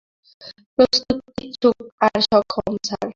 প্রস্তুত, ইচ্ছুক আর সক্ষম, স্যার।